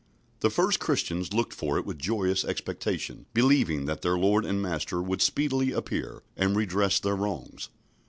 " The first Christians looked for it with joyous expectation, believing that their Lord and Master would speedily appear and redress their wrongs.